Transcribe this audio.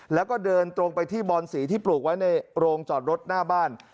แล้วก็เดินตรงไปที่บอนสีที่ปลูกไว้ในโรงจอดรถหน้าบ้าน